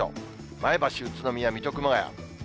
前橋、宇都宮、水戸、熊谷。